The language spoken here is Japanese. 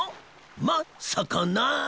まっさかな。